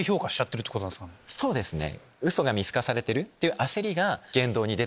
そうですね。